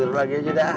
terakhir aja dah